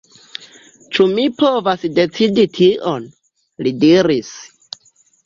Ĉu mi povas decidi tion?li diris.